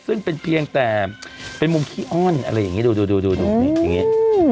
ซึ่งเป็นเพียงแต่เป็นมุมขี้อ้อนอะไรอย่างนี้ดูดูอย่างนี้